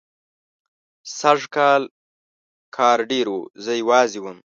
سږکال کار ډېر و، زه یوازې وم.